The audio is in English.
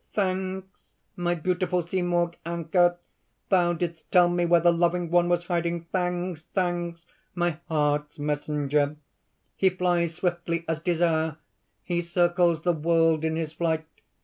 _) "Thanks! my beautiful Simorg Anka! thou didst tell me where the loving one was hiding! Thanks! thanks! my heart's messenger! "He flies swiftly as Desire! He circles the world in his flight.